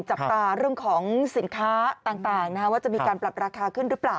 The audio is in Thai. จับตาเรื่องของสินค้าต่างว่าจะมีการปรับราคาขึ้นหรือเปล่า